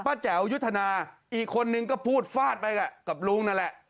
แจ๋วยุทธนาอีกคนนึงก็พูดฟาดไปกับลุงนั่นแหละ